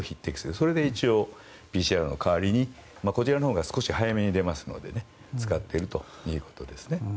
それで一応ＰＣＲの代わりにこちらのほうが少し早めに出ますので使ってるということです。